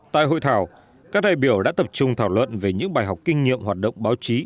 tại hội thảo các đại biểu đã tập trung thảo luận về những bài học kinh nghiệm hoạt động báo chí